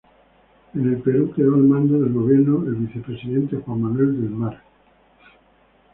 En el Perú quedó al mando del gobierno el vicepresidente Juan Manuel del Mar.